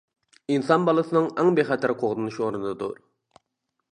ئىنسان بالىسىنىڭ ئەڭ بىخەتەر قوغدىنىش ئورنىدۇر.